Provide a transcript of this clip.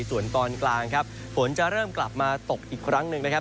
ส่วนตอนกลางครับฝนจะเริ่มกลับมาตกอีกครั้งหนึ่งนะครับ